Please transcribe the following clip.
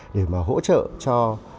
để mà hỗ trợ cho